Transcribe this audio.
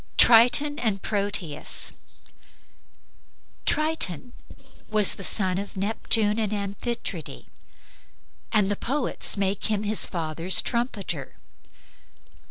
TRITON AND PROTEUS Triton was the son of Neptune and Amphitrite, and the poets make him his father's trumpeter.